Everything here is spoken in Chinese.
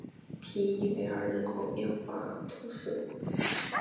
皮伊韦尔人口变化图示